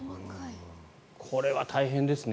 これは大変ですね。